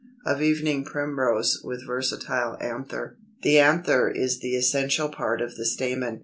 Of Evening Primrose, with versatile anther.] 287. =The Anther= is the essential part of the stamen.